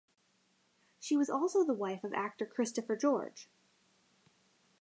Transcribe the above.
She was also the wife of actor Christopher George.